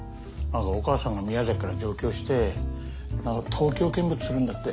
お母さんが宮崎から上京して東京見物するんだって。